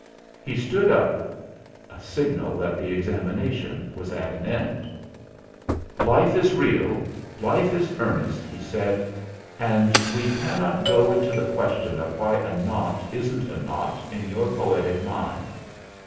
He stood up a signal that the Examination was at an end. " 'Life is real, life is earnest/ " he said, "and we cannot go into the question of why a nought isn't a nought in your poetic mind.